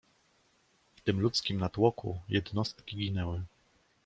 "W tym ludzkim natłoku jednostki ginęły."